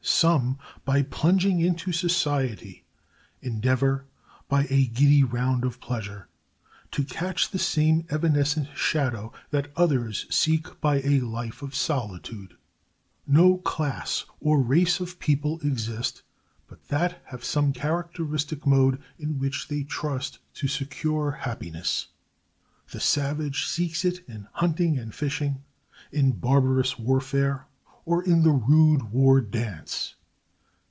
Some, by plunging into society, endeavor, by a giddy round of pleasure, to catch the same evanescent shadow that others seek by a life of solitude. No class or race of people exist but that have some characteristic mode in which they trust to secure happiness. The savage seeks it in hunting and fishing, in barbarous warfare, or in the rude war dance.